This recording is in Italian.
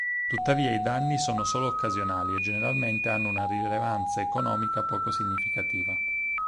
Tuttavia i danni sono solo occasionali e generalmente hanno una rilevanza economica poco significativa.